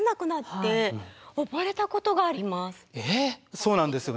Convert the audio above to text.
そうなんですよね。